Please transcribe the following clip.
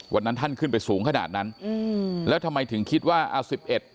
วันนั้นท่านขึ้นไปสูงขนาดนั้นอืมแล้วทำไมถึงคิดว่าอ่าสิบเอ็ด